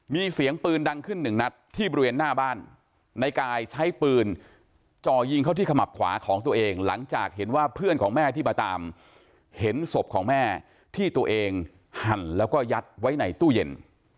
มีเสียงปืนดังขึ้นหนึ่งนัดที่บริเวณหน้าบ้านในกายใช้ปืนจ่อยิงเข้าที่ขมับขวาของตัวเองหลังจากเห็นว่าเพื่อนของแม่ที่มาตามเห็นศพของแม่ที่ตัวเองหั่นแล้วก็ยัดไว้ในตู้เย็น